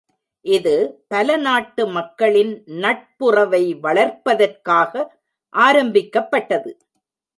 இது பல நாட்டு மக்களின் நட்புறவை வளர்ப்பதற்காக ஆரம்பிக்கப்பட்டது.